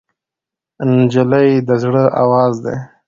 نجلۍ د زړه آواز دی.